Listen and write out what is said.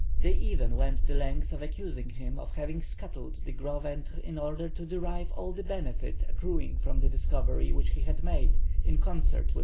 They even went the length of accusing him of having scuttled the Gros ventre in order to derive all the benefit accruing from the discovery which he had made in concert with M.